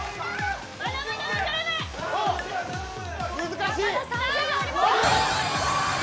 難しい。